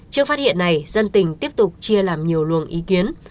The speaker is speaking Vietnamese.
trước phát hiện này dân tỉnh tiếp tục chia làm nhiều luồng ý kiến